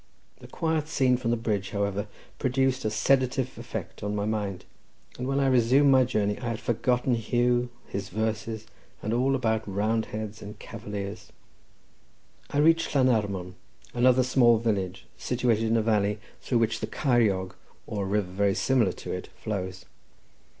The quiet scene from the bridge, however, produced a sedative effect on my mind, and when I resumed my journey I had forgotten Huw, his verses, and all about Roundheads and Cavaliers. I reached Llanarmon, another small village, situated in a valley, through which the Ceiriog, or a river very similar to it, flows.